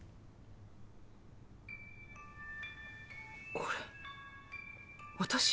これ私？